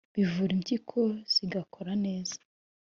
bivura impyiko zigakora neza